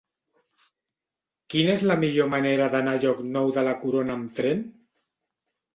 Quina és la millor manera d'anar a Llocnou de la Corona amb tren?